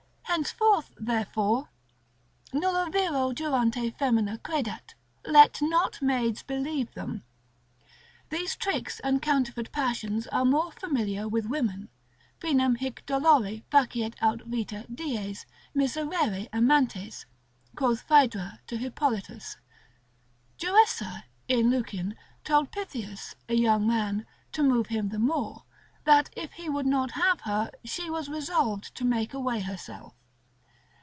Henceforth, therefore,—nulla viro juranti foemina credat, let not maids believe them. These tricks and counterfeit passions are more familiar with women, finem hic dolori faciet aut vitae dies, miserere amantis, quoth Phaedra to Hippolitus. Joessa, in Lucian, told Pythias, a young man, to move him the more, that if he would not have her, she was resolved to make away herself.